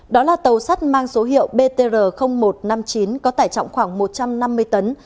đó là tàu sắt mang số hiệu btr một trăm năm mươi chín có tải trọng khoảng một trăm năm mươi tấn